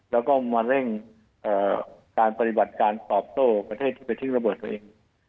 แล้วก็มาเร่งการปฏิบัติการตอบโต้ประเทศที่ไปทิ้งระเบิดตัวเอง